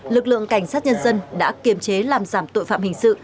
lực lượng cảnh sát nhân dân đã kiềm chế làm giảm tội phạm hình sự